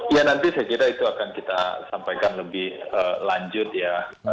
ya nanti saya kira itu akan kita sampaikan lebih lanjut ya